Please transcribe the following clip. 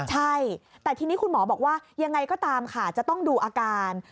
ใช่แต่ทีนี้คุณหมอบอกว่ายังไงก็ตามค่ะจะต้องดูอาการ